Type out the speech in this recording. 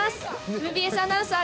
ＭＢＳアナウンサー。